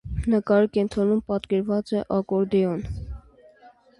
Նկարի կենտրոնում պատկերված է ակորդեոն։